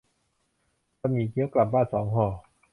บะหมี่เกี๊ยว กลับบ้านสองห่อ